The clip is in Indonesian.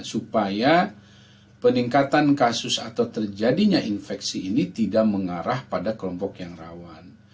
supaya peningkatan kasus atau terjadinya infeksi ini tidak mengarah pada kelompok yang rawan